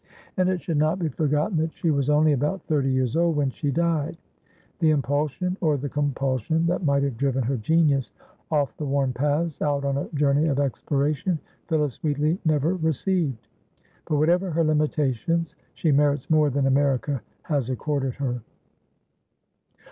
And it should not be forgotten that she was only about thirty years old when she died. The impulsion or the compulsion that might have driven her genius off the worn paths, out on a journey of exploration, Phillis Wheatley never received. But, whatever her limitations, she merits more than America has accorded her.